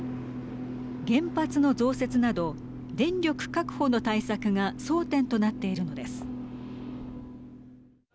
原発の増設など電力確保の対策が争点となっているのです。